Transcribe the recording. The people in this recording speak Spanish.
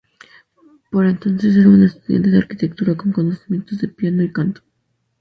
Por entonces era un estudiante de arquitectura con conocimientos de piano y canto.